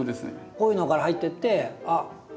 こういうのから入ってってあっ